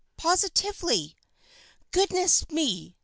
"Positively!" "Goodness me!